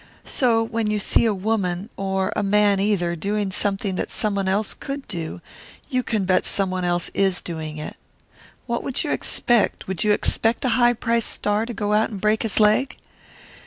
So when you see a woman, or a man either, doing something that someone else could do, you can bet someone else is doing it. What would you expect? Would you expect a high priced star to go out and break his leg?